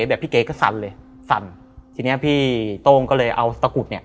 แบบพี่เก๋ก็สั่นเลยสั่นทีนี้พี่โต้งก็เลยเอาสกุล